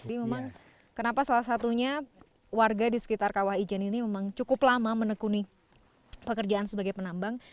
jadi memang kenapa salah satunya warga di sekitar kawah ijen ini memang cukup lama menekuni pekerjaan sebagai penambang